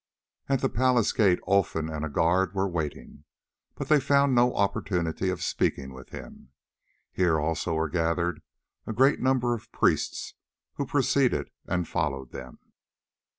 At the palace gate Olfan and a guard were waiting, but they found no opportunity of speaking with him. Here also were gathered a great number of priests, who preceded and followed them.